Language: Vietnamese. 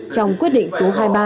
trong quyết định số hai mươi ba